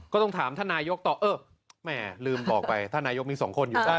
ก็ต้องถามถ้านายกต่อไม่ลืมบอกไปถ้านายกมี๒คนอยู่